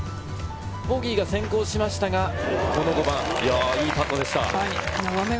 ボギーが先行しましたが、５番、いいパットでした。